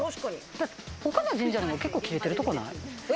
他の神社でも結構、切れているところない？